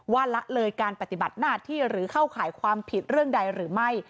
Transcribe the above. ละเลยการปฏิบัติหน้าที่หรือเข้าข่ายความผิดเรื่องใดหรือไม่